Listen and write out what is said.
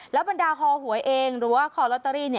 บรรดาฮอหวยเองหรือว่าคอลอตเตอรี่